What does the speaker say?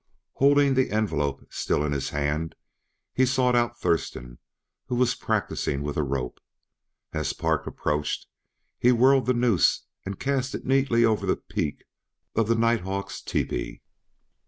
Holding the envelope still in his hand he sought out Thurston, who was practicing with a rope. As Park approached him he whirled the noose and cast it neatly over the peak of the night hawk's teepee.